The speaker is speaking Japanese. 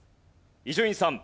伊集院さん。